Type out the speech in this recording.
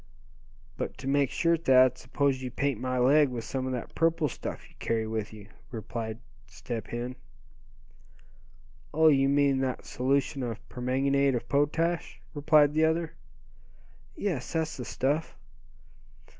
"But to make sure, Thad, suppose you paint my leg with some of that purple stuff you carry with you," pleaded Step Hen. "Oh! you mean that solution of permanganate of potash," replied the other. "Yes, that's the stuff."